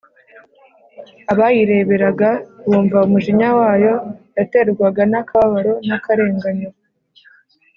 abayireberaga, bumva umujinya wayo yaterwaga n' akababaro n'akarenganyo,